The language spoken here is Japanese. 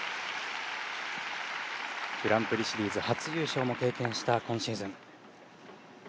グランプリシリーズ初優勝も経験した今シーズン。